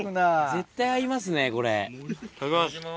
絶対合いますねこれ。